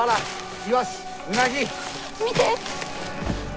見て！